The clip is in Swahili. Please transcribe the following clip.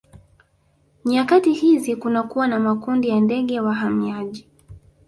Nyakati hizi kunakuwa na makundi ya ndege wahamiaji